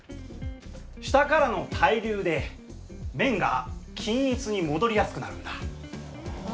下からの対流で麺が均一に戻りやすくなるんだ。